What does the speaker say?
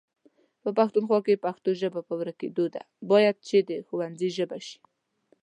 په پښتونخوا کې پښتو ژبه په ورکيدو ده، بايد چې د ښونځي ژبه شي